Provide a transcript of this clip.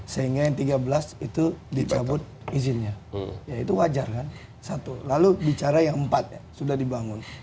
sehingga yang tiga belas itu dicabut izinnya ya itu wajar kan satu lalu bicara yang empat ya sudah dibangun